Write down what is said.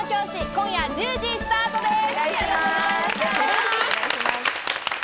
今夜１０時スタートです。